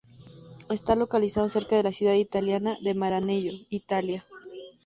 Está localizado cerca de la ciudad italiana de Maranello, Italia.